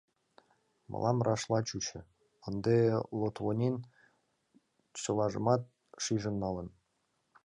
Мылам рашла чучо: ынде Лотвонен чылажымат шижын налын.